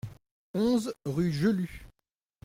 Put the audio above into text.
onze rue Jelu